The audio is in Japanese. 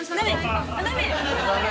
ダメ？